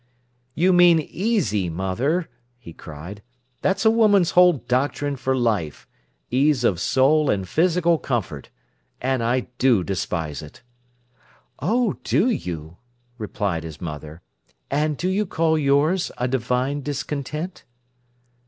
"You mean easy, mother," he cried. "That's a woman's whole doctrine for life—ease of soul and physical comfort. And I do despise it." "Oh, do you!" replied his mother. "And do you call yours a divine discontent?"